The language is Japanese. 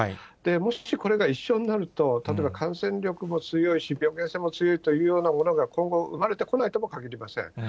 もしこれが一緒になると、例えば感染力も強いし、病原性も強いというようなものが今後、生まれてこないともかぎりません。